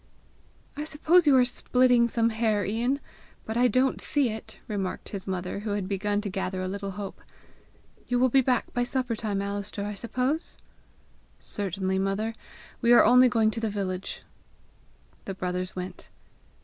"I suppose you are splitting some hair, Ian, but I don't see it," remarked his mother, who had begun to gather a little hope. "You will be back by supper time, Alister, I suppose?" "Certainly, mother. We are only going to the village." The brothers went.